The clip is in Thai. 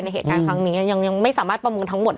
เหตุการณ์ครั้งนี้ยังไม่สามารถประมูลทั้งหมด